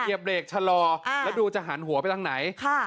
เหยียบเบรกถลอแล้วดูจะหันหัวไปทางไหน